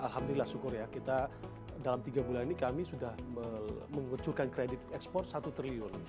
dan alhamdulillah syukur ya kita dalam tiga bulan ini kami sudah menguncurkan kredit ekspor satu triliun